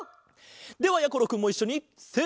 ではやころくんもいっしょにせの！